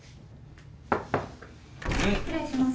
失礼します。